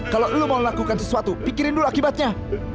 kalau lo mau lakukan sesuatu pikirin dulu akibatnya